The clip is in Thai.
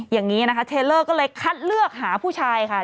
อย่างนี้นะคะเทลเลอร์ก็เลยคัดเลือกหาผู้ชายค่ะ